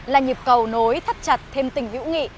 là nhịp cầu nối thắt chặt thêm tình hữu nghị